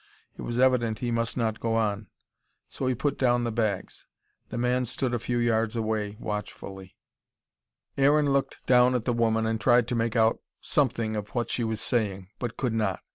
It was evident he must not go on. So he put down the bags. The man stood a few yards away, watchfully. Aaron looked down at the woman and tried to make out something of what she was saying, but could not.